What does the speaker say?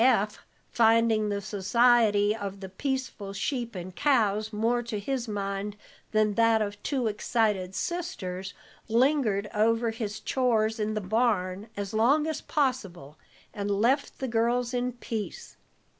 Eph, finding the society of the peaceful sheep and cows more to his mind than that of two excited sisters, lingered over his chores in the barn as long as possible, and left the girls in peace.